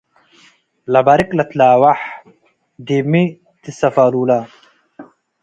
ለበርቅ ለተላወሕ - ዲብ ሚ ትሰፋሉለ